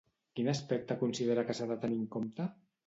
Quin aspecte considera que s'ha de tenir en compte?